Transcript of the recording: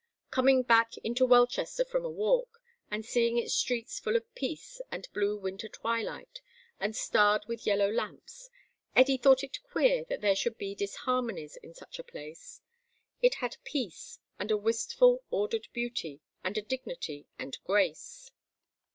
Coming back into Welchester from a walk, and seeing its streets full of peace and blue winter twilight and starred with yellow lamps, Eddy thought it queer that there should be disharmonies in such a place. It had peace, and a wistful, ordered beauty, and dignity, and grace....